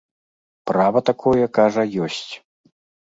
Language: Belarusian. Права такое, кажа, ёсць.